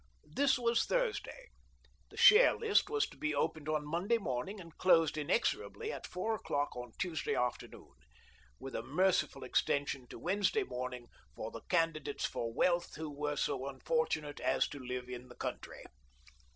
This was Thursday. The share list was to be opened on Monday morning and closed inexorably at four o'clock on Tuesday afternoon, with a merciful extension to Wednesday morning for the can didates for wealth who were so unfortunate as to live in the country.